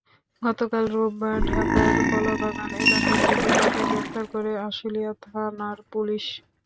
গতকাল রোববার ঢাকার কলাবাগান এলাকা থেকে তাঁকে গ্রেপ্তার করে আশুলিয়া থানার পুলিশ।